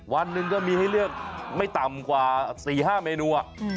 วันหนึ่งก็มีให้เลือกไม่ต่ำกว่า๔๕เมนู